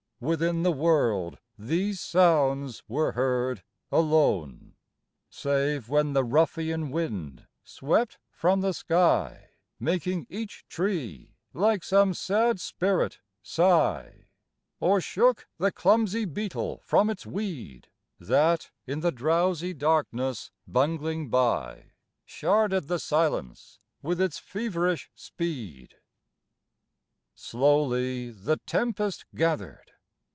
Within the world these sounds were heard alone, Save when the ruffian wind swept from the sky, Making each tree like some sad spirit sigh; Or shook the clumsy beetle from its weed, That, in the drowsy darkness, bungling by, Sharded the silence with its feverish speed. Slowly the tempest gathered.